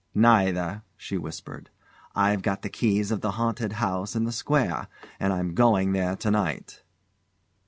"Neither," she whispered. "I've got the keys of the haunted house in the square and I'm going there to night."